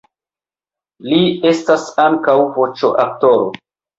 Li estas ankaŭ voĉoaktoro.